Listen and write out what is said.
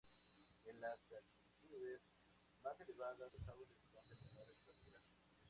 En las altitudes más elevadas, los árboles son de menor estatura.